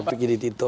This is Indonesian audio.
tiki di tito